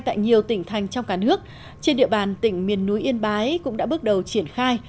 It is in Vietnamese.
tại nhiều tỉnh thành trong cả nước trên địa bàn tỉnh miền núi yên bái cũng đã bước đầu triển khai